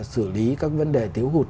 sử lý các vấn đề thiếu hụt